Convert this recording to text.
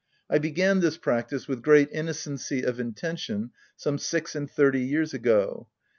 I began this practice, with great innocency of intention, some six and thirty years ago.